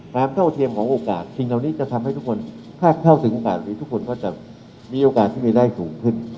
เท่าเทียมของโอกาสสิ่งเหล่านี้จะทำให้ทุกคนถ้าเข้าถึงโอกาสนี้ทุกคนก็จะมีโอกาสที่มีได้สูงขึ้น